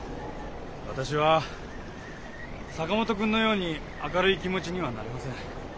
私は坂本君のように明るい気持ちにはなれません。